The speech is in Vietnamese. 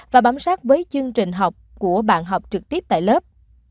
và bám sát với chương trình học của bạn học trực tiếp tại lớp